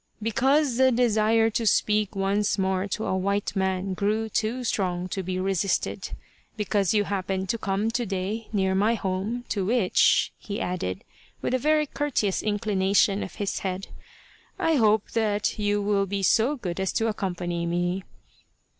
"Because the desire to speak once more to a white man grew too strong to be resisted. Because you happened to come, to day, near my home, to which," he added, with a very courteous inclination of his head, "I hope that you will be so good as to accompany me."